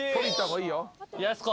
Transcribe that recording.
やす子。